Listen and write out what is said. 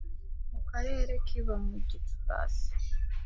Mu Karere kiba muri Gicurasi